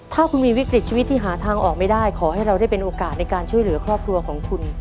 ถ้าคุณมีวิกฤตชีวิตที่หาทางออกไม่ได้ขอให้เราได้เป็นโอกาสในการช่วยเหลือครอบครัวของคุณ